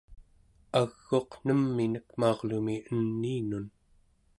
ag'uq nem'inek maurlumi eniinun